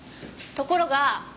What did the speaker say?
ところが。